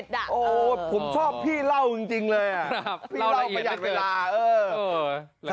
โอ้โหผมชอบพี่เล่าจริงเลยพี่เล่าประหยัดเวลา